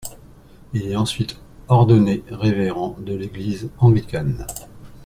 Il est ensuite ordonné révérend de l'Église anglicane.